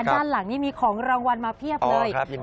ด้านหลังนี้มีของรางวัลมาเพียบเลย